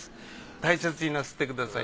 大切になさってください。